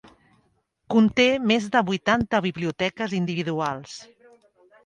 Conté més de vuitanta biblioteques individuals.